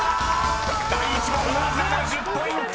［第１問は７０ポイント！］